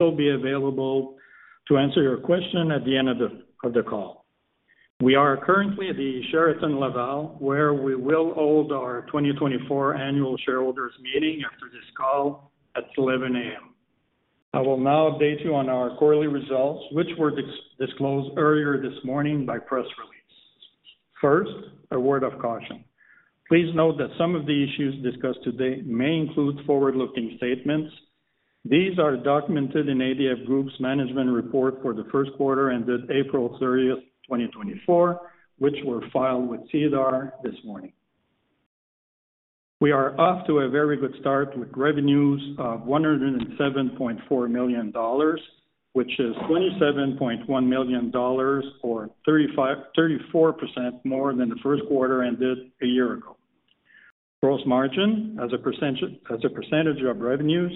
Still be available to answer your question at the end of the call. We are currently at the Sheraton Laval, where we will hold our 2024 annual shareholders' meeting after this call at 11:00 A.M. I will now update you on our quarterly results, which were disclosed earlier this morning by press release. First, a word of caution. Please note that some of the issues discussed today may include forward-looking statements. These are documented in ADF Group's management report for the first quarter ended April 30, 2024, which were filed with SEDAR this morning. We are off to a very good start with revenues of 107.4 million dollars, which is 27.1 million dollars or 34% more than the first quarter ended a year ago. Gross margin as a percentage of revenues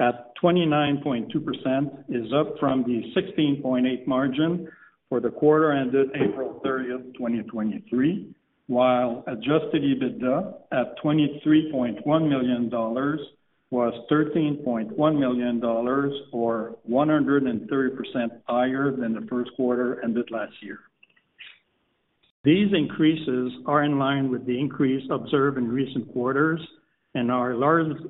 at 29.2% is up from the 16.8% margin for the quarter ended April 30, 2023, while Adjusted EBITDA at 23.1 million dollars was 13.1 million dollars or 130% higher than the first quarter ended last year. These increases are in line with the increase observed in recent quarters and are largely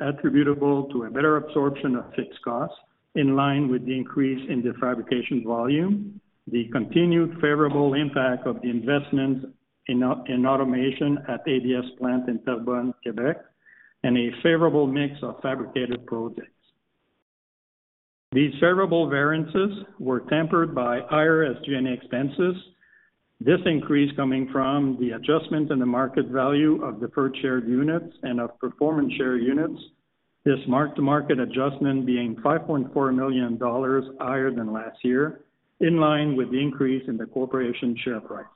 attributable to a better absorption of fixed costs in line with the increase in fabrication volume, the continued favorable impact of the investments in automation at ADF's plant in Terrebonne, Quebec, and a favorable mix of fabricated projects. These favorable variances were tempered by higher SG&A expenses. This increase coming from the adjustment in the market value of deferred share units and of performance share units, this mark-to-market adjustment being 5.4 million dollars higher than last year, in line with the increase in the corporation share price.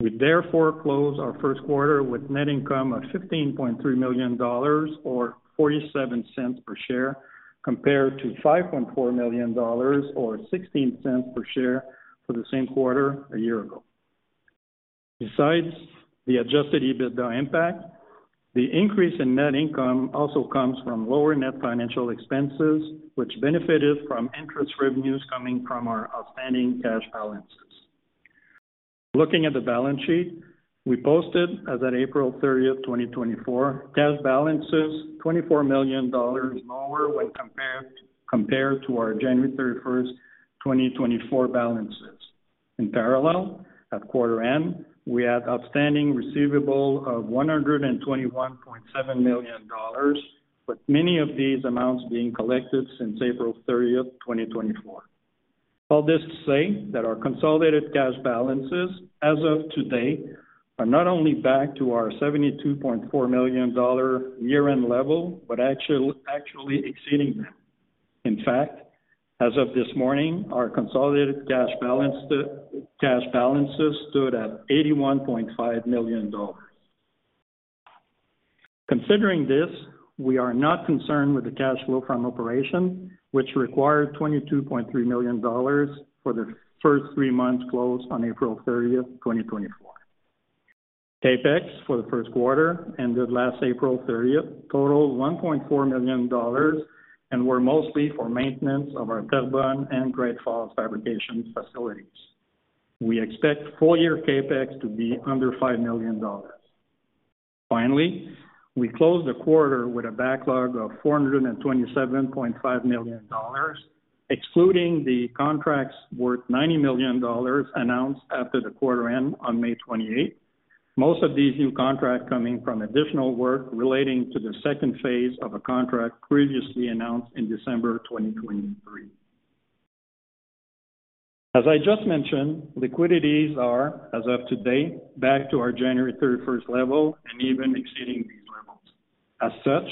We therefore close our first quarter with net income of 15.3 million dollars or 0.47 per share compared to 5.4 million dollars or 0.16 per share for the same quarter a year ago. Besides the Adjusted EBITDA impact, the increase in net income also comes from lower net financial expenses, which benefited from interest revenues coming from our outstanding cash balances. Looking at the balance sheet, we posted, as of April 30th, 2024, cash balances 24 million dollars lower when compared to our January 31st, 2024 balances. In parallel, at quarter end, we had outstanding receivable of 121.7 million dollars, with many of these amounts being collected since April 30th, 2024. All this to say that our consolidated cash balances, as of today, are not only back to our 72.4 million dollar year-end level but actually exceeding them. In fact, as of this morning, our consolidated cash balances stood at 81.5 million dollars. Considering this, we are not concerned with the cash flow from operation, which required 22.3 million dollars for the first three months closed on April 30, 2024. CAPEX for the first quarter ended last April 30 totaled 1.4 million dollars and were mostly for maintenance of our Terrebonne and Great Falls fabrication facilities. We expect full-year CAPEX to be under 5 million dollars. Finally, we closed the quarter with a backlog of 427.5 million dollars, excluding the contracts worth 90 million dollars announced after the quarter end on May 28, most of these new contracts coming from additional work relating to the second phase of a contract previously announced in December 2023. As I just mentioned, liquidities are, as of today, back to our January 31st level and even exceeding these levels. As such,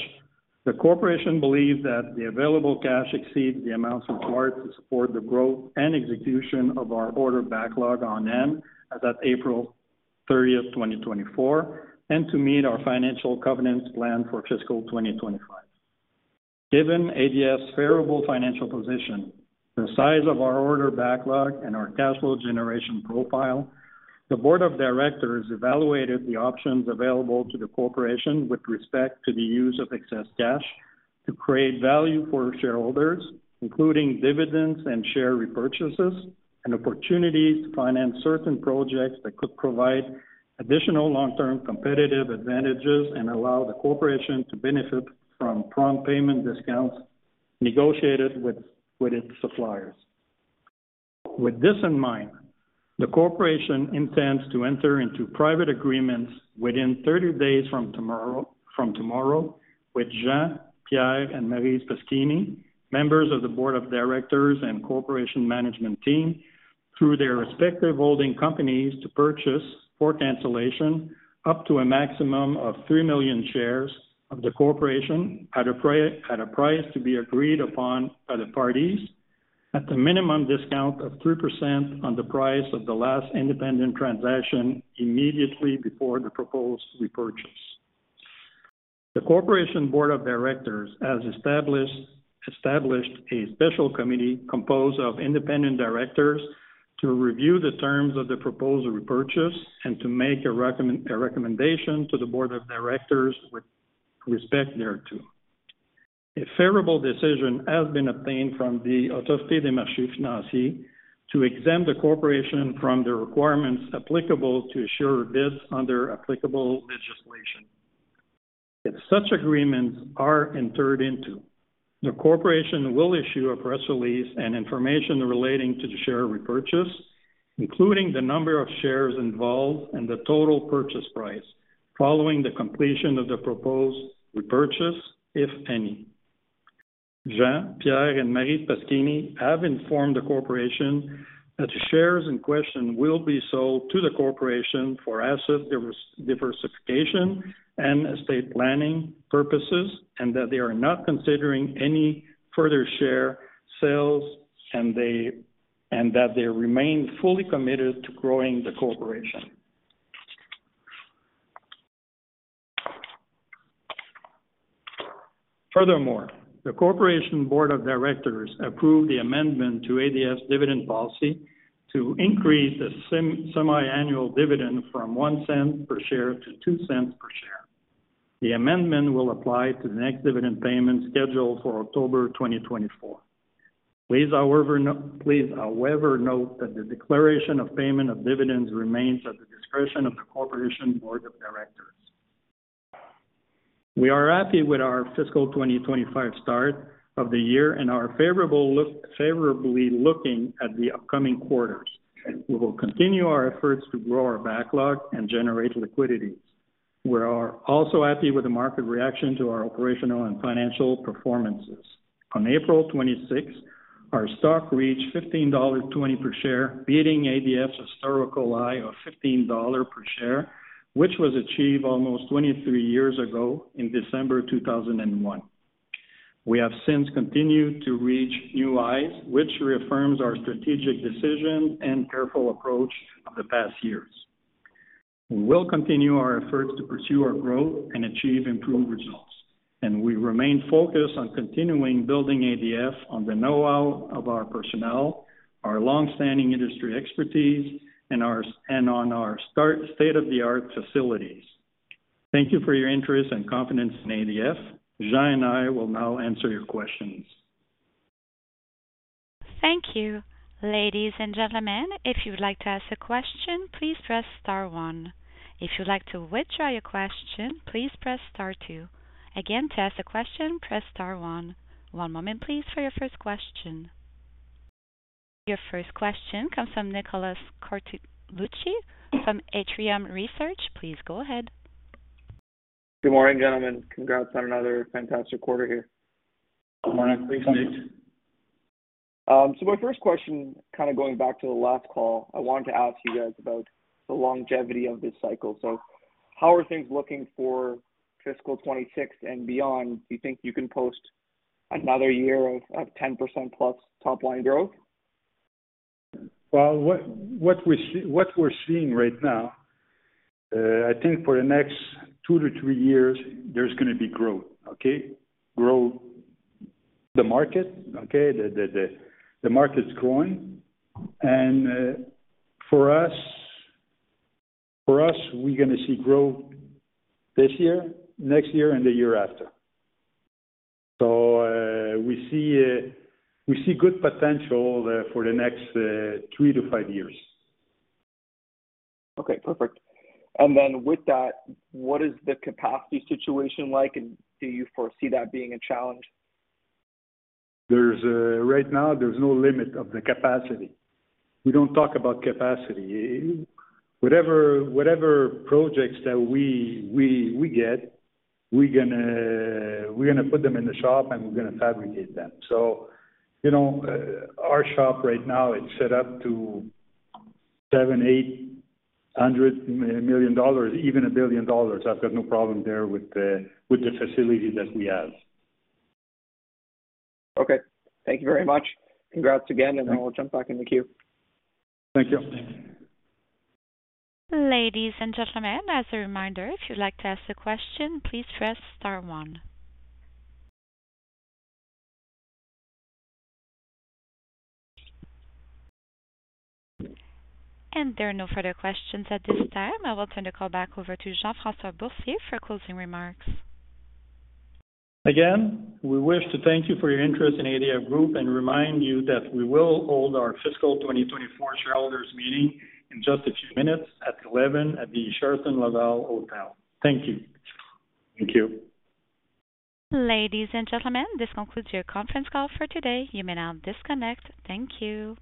the corporation believes that the available cash exceeds the amounts required to support the growth and execution of our order backlog on hand as of April 30th, 2024, and to meet our financial covenants planned for fiscal 2025. Given ADF's favorable financial position, the size of our order backlog, and our cash flow generation profile, the board of directors evaluated the options available to the corporation with respect to the use of excess cash to create value for shareholders, including dividends and share repurchases, and opportunities to finance certain projects that could provide additional long-term competitive advantages and allow the corporation to benefit from prompt payment discounts negotiated with its suppliers. With this in mind, the corporation intends to enter into private agreements within 30 days from tomorrow with Jean, Pierre, and Marise Paschini, members of the board of directors and corporation management team, through their respective holding companies, to purchase, for cancellation, up to a maximum of 3 million shares of the corporation at a price to be agreed upon by the parties, at the minimum discount of 3% on the price of the last independent transaction immediately before the proposed repurchase. The corporation board of directors, as established, a special committee composed of independent directors to review the terms of the proposed repurchase and to make a recommendation to the board of directors with respect thereto. A favorable decision has been obtained from the Autorité des marchés financiers to exempt the corporation from the requirements applicable to assure this under applicable legislation. If such agreements are entered into, the corporation will issue a press release and information relating to the share repurchase, including the number of shares involved and the total purchase price following the completion of the proposed repurchase, if any. Jean, Pierre, and Marise Paschini have informed the corporation that the shares in question will be sold to the corporation for asset diversification and estate planning purposes and that they are not considering any further share sales, and that they remain fully committed to growing the corporation. Furthermore, the corporation board of directors approved the amendment to ADF's dividend policy to increase the semiannual dividend from 0.01 per share to 0.02 per share. The amendment will apply to the next dividend payment scheduled for October 2024. Please, however, note that the declaration of payment of dividends remains at the discretion of the corporation board of directors. We are happy with our fiscal 2025 start of the year and are favorably looking at the upcoming quarters. We will continue our efforts to grow our backlog and generate liquidities. We are also happy with the market reaction to our operational and financial performances. On April 26, our stock reached 15.20 dollars per share, beating ADF's historical high of 15 dollars per share, which was achieved almost 23 years ago in December 2001. We have since continued to reach new highs, which reaffirms our strategic decisions and careful approach of the past years. We will continue our efforts to pursue our growth and achieve improved results, and we remain focused on continuing building ADF on the know-how of our personnel, our long-standing industry expertise, and on our state-of-the-art facilities. Thank you for your interest and confidence in ADF. Jean and I will now answer your questions. Thank you. Ladies and gentlemen, if you would like to ask a question, please press star one. If you would like to withdraw your question, please press star two. Again, to ask a question, press star one. One moment please, for your first question. Your first question comes from Nicholas Corigliano from Atrium Research. Please go ahead. Good morning, gentlemen. Congrats on another fantastic quarter here. Good morning. So my first question, kind of going back to the last call, I wanted to ask you guys about the longevity of this cycle. How are things looking for fiscal 2026 and beyond? Do you think you can post another year of 10%+ top-line growth? Well, what we're seeing right now, I think for the next two to three years, there's going to be growth, okay? Grow the market, okay? The market's growing. And for us, we're going to see growth this year, next year, and the year after. So we see good potential for the next three to five years. Okay. Perfect. And then with that, what is the capacity situation like, and do you foresee that being a challenge? Right now, there's no limit of the capacity. We don't talk about capacity. Whatever projects that we get, we're going to put them in the shop, and we're going to fabricate them. So our shop right now, it's set up to 700 million-800 million dollars, even 1 billion dollars. I've got no problem there with the facility that we have. Okay. Thank you very much. Congrats again, and I will jump back into Q. Thank you. Ladies and gentlemen, as a reminder, if you'd like to ask a question, please press Star 1. There are no further questions at this time. I will turn the call back over to Jean-François Boursier for closing remarks. Again, we wish to thank you for your interest in ADF Group and remind you that we will hold our fiscal 2024 shareholders' meeting in just a few minutes at 11:00 A.M. at the Sheraton Laval Hotel. Thank you. Thank you. Ladies and gentlemen, this concludes your conference call for today. You may now disconnect. Thank you.